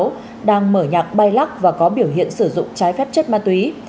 từ hai mươi một đến hai mươi sáu đang mở nhạc bay lắc và có biểu hiện sử dụng trái phép chất ma túy